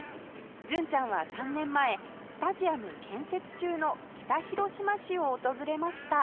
純ちゃんは３年前スタジアム建設中の北広島市を訪れました